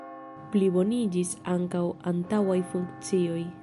Pliboniĝis ankaŭ antaŭaj funkcioj.